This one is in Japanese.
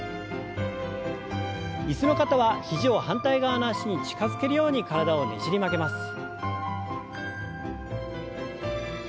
椅子の方は肘を反対側の脚に近づけるように体をねじり曲げます。